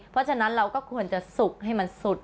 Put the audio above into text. เพราะฉะนั้นเราก็ควรจะสุกให้มันสุด